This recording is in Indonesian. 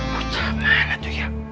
bocah mana tuh ya